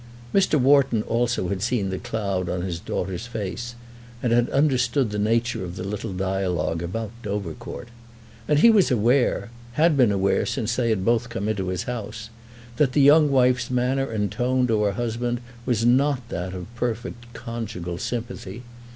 Mr. Wharton also had seen the cloud on his daughter's face, and had understood the nature of the little dialogue about Dovercourt. And he was aware, had been aware since they had both come into his house, that the young wife's manner and tone to her husband was not that of perfect conjugal sympathy.